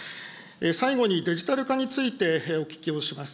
最後にデジタル化についてお聞きをします。